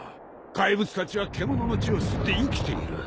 怪物たちは獣の血を吸って生きている。